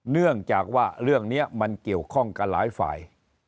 เนื่องจากว่าเรื่องนี้มันเกี่ยวข้องกับหลายฝ่าย